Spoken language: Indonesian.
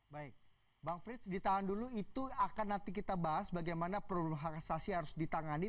baik bang frits ditahan dulu itu akan nanti kita bahas bagaimana perlu hak asasi harus ditangani